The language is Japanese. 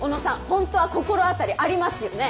ホントは心当たりありますよね？